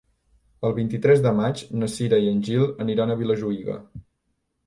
El vint-i-tres de maig na Cira i en Gil aniran a Vilajuïga.